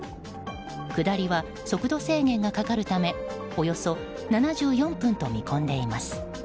下りは速度制限がかかるためおよそ７４分と見込んでいます。